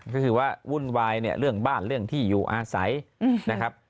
ก็คือว่าวุ่นวายเนี่ยเรื่องบ้านเรื่องที่อยู่อาศัยนะครับ